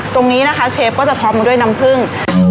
ตรงนี้นะคะเชฟก็จะท็อปมาด้วยน้ำผึ้ง